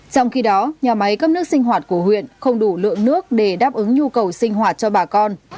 trong khi đó nhà máy cấp nước sinh hoạt của huyện không đủ lượng nước để đáp ứng nhu cầu sinh hoạt cho bà con